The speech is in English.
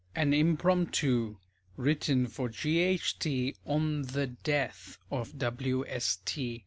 AN IMPROMPTU. (_Written for G. H. T., on the death of W. S. T.